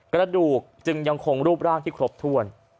กระดูกจึงยังคงรูปร่างที่ครบถ้วน